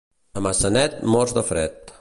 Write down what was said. A Maçanet, morts de fred.